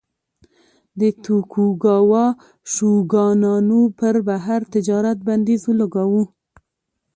د توکوګاوا شوګانانو پر بهر تجارت بندیز ولګاوه.